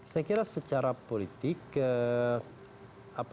saya kira secara politik ke apa